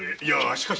しかし。